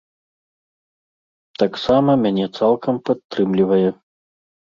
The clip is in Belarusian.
Таксама мяне цалкам падтрымлівае.